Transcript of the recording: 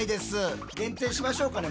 限定しましょうかね。